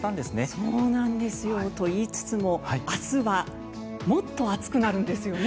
そうなんですよと言いつつも明日はもっと暑くなるんですね。